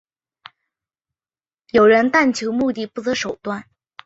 有人但求目的不择手段。